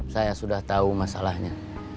saya sudah tahu masalahnya